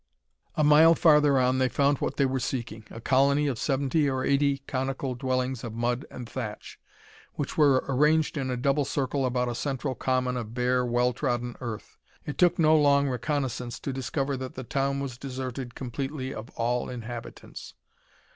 A mile farther on they found what they were seeking, a colony of seventy or eighty conical dwellings of mud and thatch, which were ranged in a double circle about a central common of bare, well trodden earth. It took no long reconnaissance to discover that the town was deserted completely of all inhabitants.